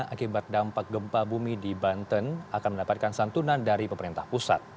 akibat dampak gempa bumi di banten akan mendapatkan santunan dari pemerintah pusat